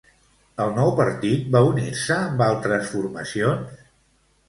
El nou partit va unir-se amb altres formacions?